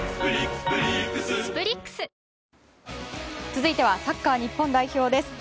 続いてはサッカー日本代表です。